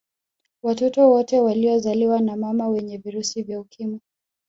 Watoto wote waliozaliwa na mama wenye virusi vya Ukimwi